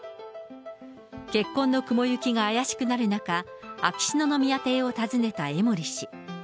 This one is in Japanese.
結婚の雲行きが怪しくなる中、秋篠宮邸を訪ねた江森氏。